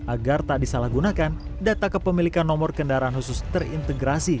agar tak disalahgunakan data kepemilikan nomor kendaraan khusus terintegrasi